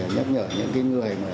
nhắc nhở những người